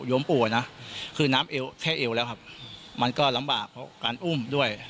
ปู่อ่ะนะคือน้ำเอวแค่เอวแล้วครับมันก็ลำบากเพราะการอุ้มด้วย